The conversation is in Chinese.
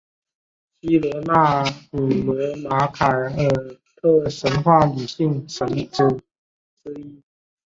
希罗纳古罗马凯尔特神话女性神只之一。